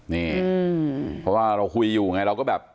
นี่เพราะว่าเราคุยอยู่ไงเราก็แบบ